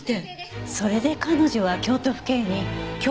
それで彼女は京都府警に。